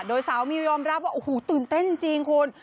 โดยสาวมิวยอมรับว่าโอ้โหตื่นเต้นจริงคุณ